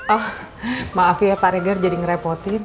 oh maaf ya pak reger jadi ngerepotin